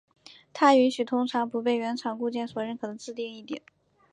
它允许通常不被原厂固件所认可的自定义项。